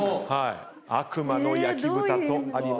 「悪魔ノ焼豚」とあります。